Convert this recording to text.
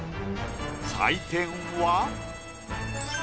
採点は。